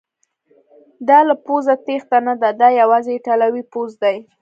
دا له پوځه تیښته نه ده، دا یوازې ایټالوي پوځ دی.